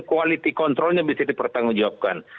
kualitas kontrolnya bisa dipertanggungjawabkan